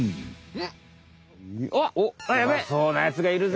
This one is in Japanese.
うまそうなやつがいるぜ！